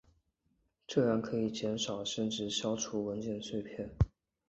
这样可以减少甚至消除文件碎片。